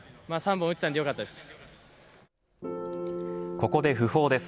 ここで訃報です。